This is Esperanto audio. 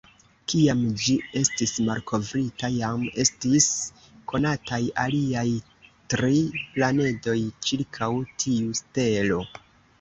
Kiam ĝi estis malkovrita, jam estis konataj aliaj tri planedoj ĉirkaŭ tiu stelo.